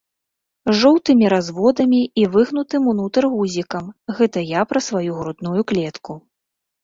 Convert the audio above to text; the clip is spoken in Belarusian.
З жоўтымі разводамі і выгнутым унутр гузікам, гэта я пра сваю грудную клетку.